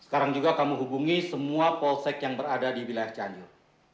sekarang juga kami hubungi semua polsek yang berada di wilayah cianjur